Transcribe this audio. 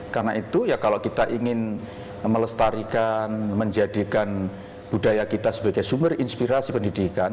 karena itu kalau kita ingin melestarikan menjadikan budaya kita sebagai sumber inspirasi pendidikan